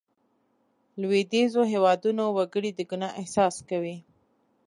لوېدیځو هېوادونو وګړي د ګناه احساس کوي.